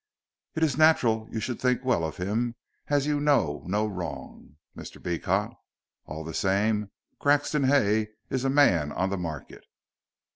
"It is natural you should think well of him as you know no wrong, Mr. Beecot. All the same, Grexon Hay is a man on the market."